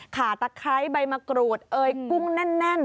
ตะไคร้ใบมะกรูดเอยกุ้งแน่น